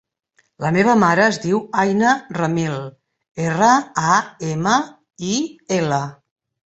La meva mare es diu Aïna Ramil: erra, a, ema, i, ela.